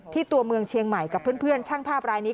ตัวเมืองเชียงใหม่กับเพื่อนช่างภาพรายนี้